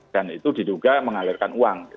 dan itu diduga mengalirkan uang